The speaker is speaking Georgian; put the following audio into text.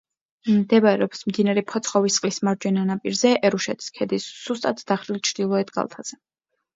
მდებარეობს მდინარე ფოცხოვისწყლის მარჯვენა ნაპირზე, ერუშეთის ქედის სუსტად დახრილ ჩრდილოეთ კალთაზე.